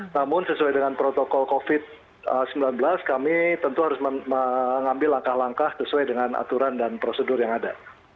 namun sesuai dengan protokol covid sembilan belas kami tentu harus mengambil langkah langkah sesuai dengan aturan dan prosedur yang ada